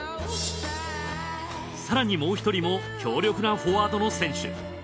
更にもう１人も強力なフォワードの選手。